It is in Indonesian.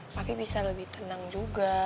tapi bisa lebih tenang juga